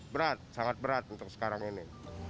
berat sangat berat untuk sekarang ini